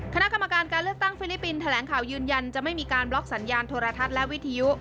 คณะกรรมการการเลือกตั้งฟิลิปปินส์แถลงข่าวยืนยันจะไม่มีการบล็อกสัญญาณโทรทัศน์และวิทยุ